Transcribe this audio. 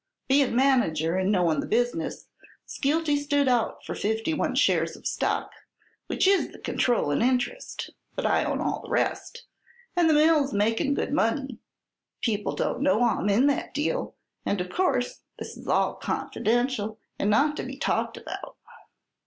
Bein' manager, and knowin' the business, Skeelty stood out for fifty one shares of stock, which is the controllin' interest; but I own all the rest, and the mill's makin' good money. People don't know I'm in that deal, and of course this is all confidential and not to be talked about."